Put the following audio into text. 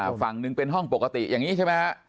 ฝั่งหนึ่งเป็นห้องปกติอย่างนี้ใช่ไหมฮะ